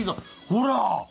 ほら！